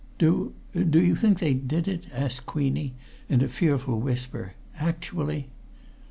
"Do do you think they did it?" asked Queenie in a fearful whisper. "Actually?"